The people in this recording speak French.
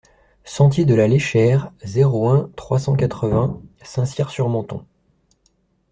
Sentier de la Léchère, zéro un, trois cent quatre-vingts Saint-Cyr-sur-Menthon